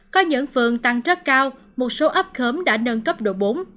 có những phường tăng rất cao một số ấp khớm đã nâng cấp độ bốn